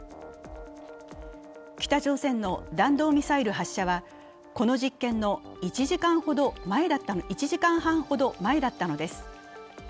北朝鮮の弾道ミサイル発射は、この実験の１時間半ほど前だったのです。